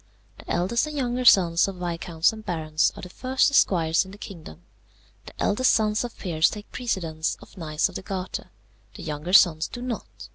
The eldest and younger sons of viscounts and barons are the first esquires in the kingdom. The eldest sons of peers take precedence of knights of the garter. The younger sons do not.